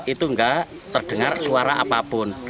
itu nggak terdengar suara apapun